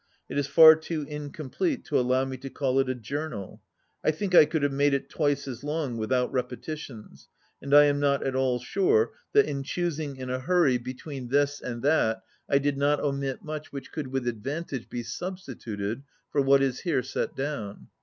It is far too incomplete to allow me to call it a Journal. I think I could have made it twice as long without repetitions, and I am not at all sure that in choosing in a hurry between vii this and that I did not omit much which could with advantage be substituted for what is here set down.